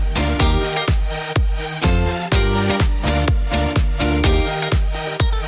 hẹn gặp lại